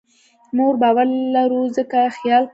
موږ باور لرو؛ ځکه خیال کوو.